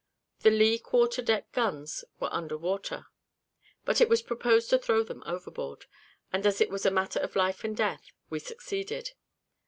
The lee quarter deck guns were under water; but it was proposed to throw them overboard; and as it was a matter of life and death, we succeeded.